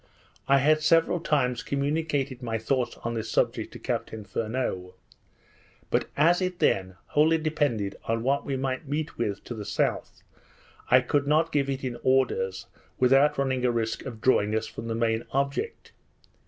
I had several times communicated my thoughts on this subject to Captain Furneaux; but as it then wholly depended on what we might meet with to the south, I could not give it in orders, without running a risk of drawing us from the main object.